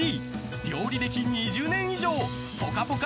料理歴２０年以上「ぽかぽか」